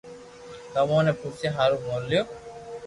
تمو ني پوسيا ھارو مو ليو